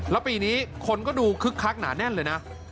แล้วปีนี้คนก็ดูคึกคักหนาแน่นเลยนะ